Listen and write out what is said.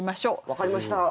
分かりました！